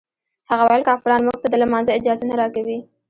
هغه ویل کافران موږ ته د لمانځه اجازه نه راکوي.